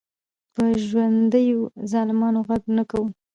په ژوندیو ظالمانو غږ نه کوو.